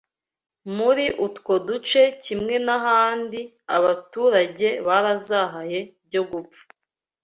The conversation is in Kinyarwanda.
Muri utwo duce kimwe n’ahandi, abaturage barazahaye byo gupfa